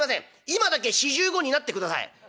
今だけ４５になってください」。